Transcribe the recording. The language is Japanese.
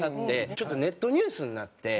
ちょっとネットニュースになって。